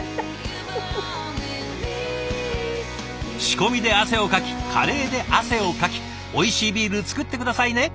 仕込みで汗をかきカレーで汗をかきおいしいビール造って下さいね。